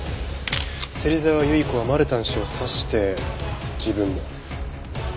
芹沢結子はマルタン氏を刺して自分も。